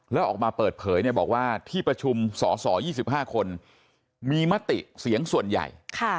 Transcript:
แล้วออกมาเปิดเผยบอกว่าที่ประชุมสส๒๕คนมีมติเสียงส่วนใหญ่